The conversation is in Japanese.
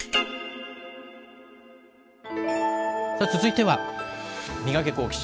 続いては、ミガケ、好奇心！